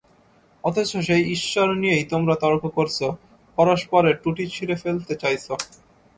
অথচ সেই ঈশ্বর নিয়েই তোমরা তর্ক করছ, পরস্পরের টুঁটি ছিঁড়ে ফেলতে চাইছ।